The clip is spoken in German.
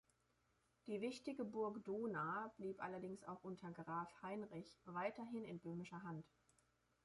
Die wichtige Burg Dohna blieb allerdings auch unter Graf Heinrich weiterhin in böhmischer Hand.